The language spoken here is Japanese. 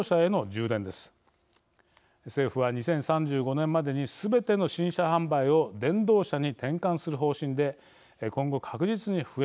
政府は２０３５年までにすべての新車販売を電動車に転換する方針で今後確実に増えます。